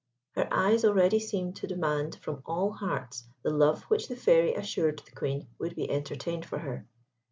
Her eyes already seemed to demand from all hearts the love which the Fairy assured the Queen would be entertained for her.